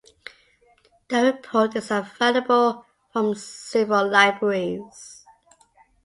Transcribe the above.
The report is available from several libraries.